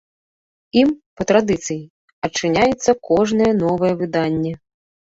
Ім, па традыцыі, адчыняецца кожнае новае выданне.